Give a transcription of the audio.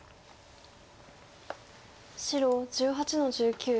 白１８の十九。